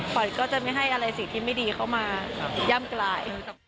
ขวัญก็จะไม่ให้อะไรสิ่งที่ไม่ดีเข้ามาย่ำกลาย